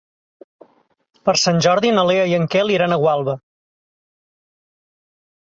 Per Sant Jordi na Lea i en Quel iran a Gualba.